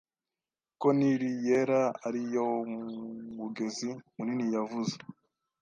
ko Nili yera ari yo mugezi muniniyavuze